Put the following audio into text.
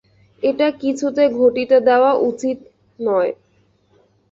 এটা কিছুতে ঘটিতে দেওয়া উচিত নয়।